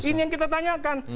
ini yang kita tanyakan